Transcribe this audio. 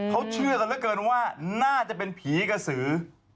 เขาเชื่อกันเหลือเกินว่าน่าจะเป็นผีกระสือ